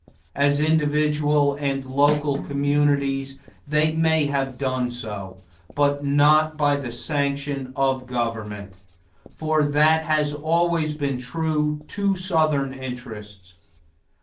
As individual and local communities, they may have done so; but not by the sanction of government; for that has always been true to Southern interests.